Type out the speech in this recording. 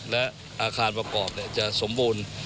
และอาคารประกอบจะสมบูรณ์